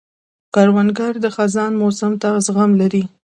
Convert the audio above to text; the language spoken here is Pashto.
کروندګر د خزان موسم ته زغم لري